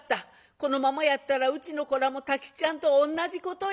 このままやったらうちの子らも太吉っちゃんと同じことや」。